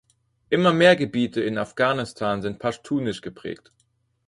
Immer mehr Gebiete in Afghanistan sind paschtunisch geprägt.